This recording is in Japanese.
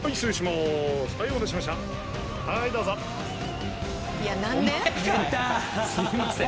すいません。